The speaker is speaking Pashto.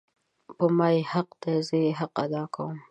په ما یی حق ده زه حق ادا کوم